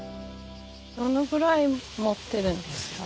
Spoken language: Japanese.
どのぐらい持ってるんですか？